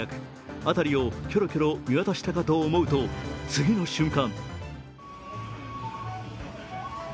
辺りをキョロキョロ見渡したかと思うと次の瞬間。